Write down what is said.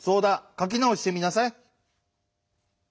かきなおしてみなさい。